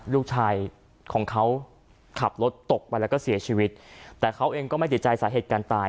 ลูกชายของเขาขับรถตกไปแล้วก็เสียชีวิตแต่เขาเองก็ไม่ติดใจสาเหตุการณ์ตาย